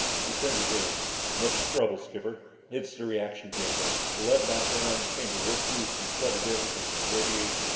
He turned to James. "What's the trouble, skipper?" "It's the reaction chamber. The lead baffle around the chamber worked loose and flooded everything with radiation.